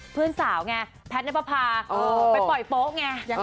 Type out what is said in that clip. เพื่อนสาวไงแพทย์นับประพาไปปล่อยโป๊ะไง